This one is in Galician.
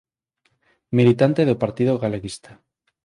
Militante do Partido Galeguista.